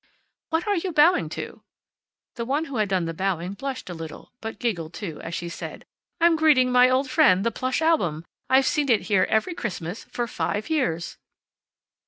"What are you bowing to?" The one who had done the bowing blushed a little, but giggled too, as she said, "I'm greeting my old friend, the plush album. I've seen it here every Christmas for five years."